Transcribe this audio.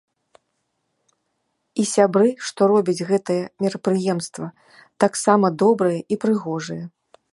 І сябры, што робяць гэтае мерапрыемства, таксама добрыя і прыгожыя.